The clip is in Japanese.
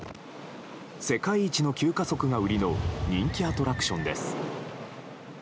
世界一の急加速が売りの人気アトラクションです。